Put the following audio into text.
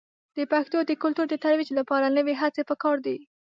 د پښتو د کلتور د ترویج لپاره نوې هڅې په کار دي.